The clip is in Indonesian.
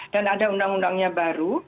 dan ada undang undangnya baru